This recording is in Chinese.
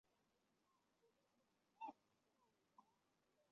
片马耳蕨为鳞毛蕨科耳蕨属下的一个种。